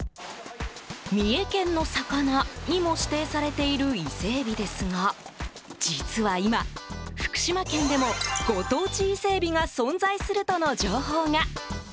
三重県のさかなにも指定されているイセエビですが実は今、福島県でもご当地イセエビが存在するとの情報が。